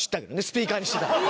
スピーカーにしてたのは。